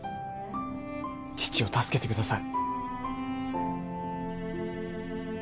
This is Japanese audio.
父を助けてください